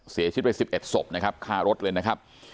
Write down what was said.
เสียชีวิตไป๑๑ศพนะครับฆ่ารถเลยนะครับ